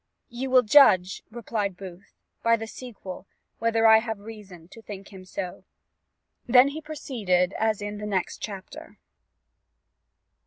"You will judge," replied Booth, "by the sequel, whether I have reason to think him so." He then proceeded as in the next chapter.